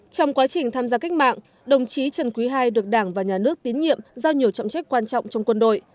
trong quá trình tham gia cách mạng đồng chí trần quý ii được đảng và nhà nước tín nhiệm giao nhiều trọng trách quan trọng trong quân đội